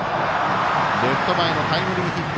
レフト前のタイムリーヒット。